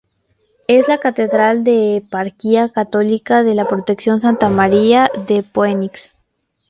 Es la catedral de Eparquía católica de la Protección Santa de María de Phoenix.